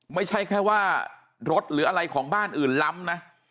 ไม่ใช่แค่ว่ารถหรืออะไรของบ้านอื่นล้ำนะ